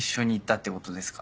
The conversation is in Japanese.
ってことですか？